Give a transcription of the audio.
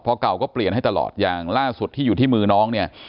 พอเก่าก็เปลี่ยนให้ตลอดอย่างล่าสุดที่อยู่ที่มือน้องเนี่ย